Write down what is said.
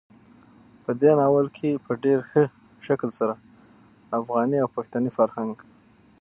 په دې ناول کې په ډېر ښه شکل سره افغاني او پښتني فرهنګ,